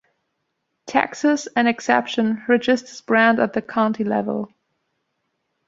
Texas, an exception, registers brands at the county level.